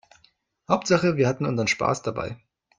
Hauptsache wir hatten unseren Spaß dabei.